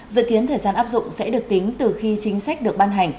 dự kiến thời gian áp dụng sẽ được tính từ khi chính sách được ban hành